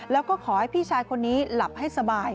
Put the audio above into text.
แล้วก็ขอให้พี่ชายคนนี้หลับให้สบาย